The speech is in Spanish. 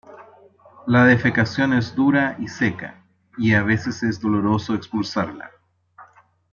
La defecación es dura y seca, y a veces es doloroso expulsarla.